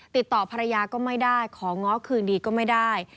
ติดต่อภรรยาก็ไม่ได้ของ้อคืนดีก็ไม่ได้